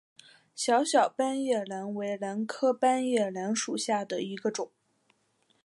小小斑叶兰为兰科斑叶兰属下的一个种。